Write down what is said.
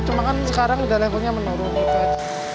cuma kan sekarang udah levelnya meningkat